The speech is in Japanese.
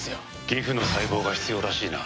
ギフの細胞が必要らしいな。